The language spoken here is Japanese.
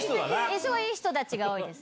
そう、いい人たちが多いです